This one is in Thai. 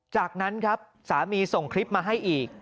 จากนั้นครับสามีส่งคลิปมาให้อีก